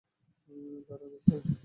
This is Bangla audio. দাঁড়ান, স্যার।